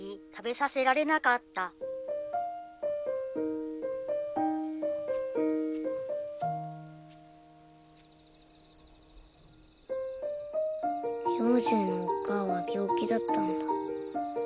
心の声兵十のおっ母は病気だったんだ。